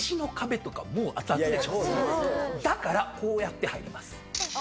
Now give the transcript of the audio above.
だからこうやって入ります。